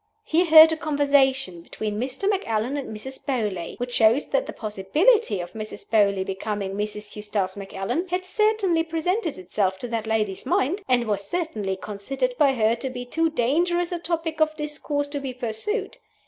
He heard a conversation between Mr. Macallan and Mrs. Beauly, which shows that the possibility of Mrs. Beauly becoming Mrs. Eustace Macallan had certainly presented itself to that lady's mind, and was certainly considered by her to be too dangerous a topic of discourse to be pursued.